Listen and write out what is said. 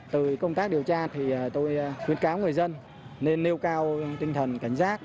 từ công tác điều tra thì tôi khuyến cáo người dân nên nêu cao tinh thần cảnh giác